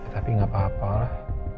tapi gapapa lah